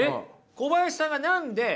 小林さんが何でこのね